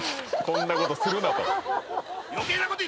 「こんなことするな」と。